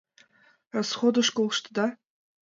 Расходыш колтышда?